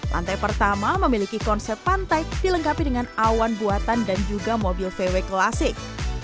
lantai pertama memiliki konsep pantai dilengkapi dengan awan buatan dan juga mobil vw klasik